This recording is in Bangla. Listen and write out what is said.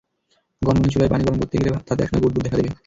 গনগনে চুলায় পানি গরম করতে গেলে তাতে একসময় বুদ্বুদ দেখা দেবে।